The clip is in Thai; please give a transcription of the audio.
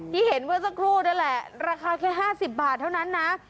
ที่เห็นเมื่อสักครู่นั่นแหละราคาแค่๕๐บาทเท่านั้นนะ